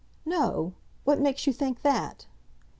"No! What makes you think that?"